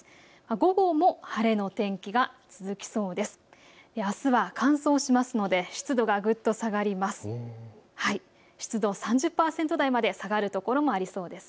午後も晴れの天気が続きそうです。